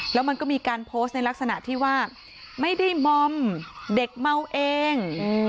แล้วมันก็มีการโพสต์ในลักษณะที่ว่าไม่ได้มอมเด็กเมาเอง